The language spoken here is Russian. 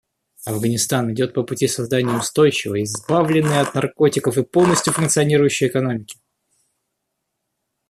Афганистан идет по пути создания устойчивой, избавленной от наркотиков и полностью функционирующей экономики.